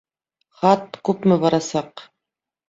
Хат күпме барасаҡ?